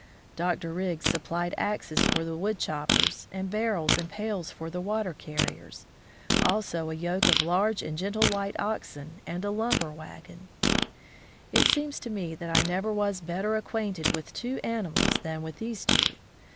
Dr. Riggs supplied axes for the wood choppers, and barrels and pails for the water carriers, also a yoke of large and gentle white oxen and a lumber wagon. It seems to me that I never was better acquainted with two animals than with these two!